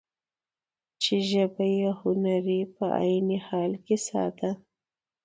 چې ژبه يې هنري په عين حال کې ساده ،